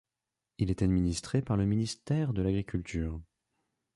Il est administré par le ministère de l'Agriculture.